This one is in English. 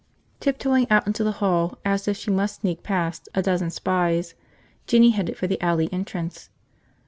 Tiptoeing out into the hall as if she must sneak past a dozen spies, Jinny headed for the alley entrance.